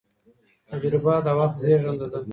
تجربه د وخت زېږنده ده.